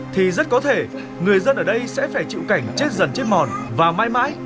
thì rất có thể người dân ở đây sẽ phải chịu cảnh chết dần chết mòn và mãi mãi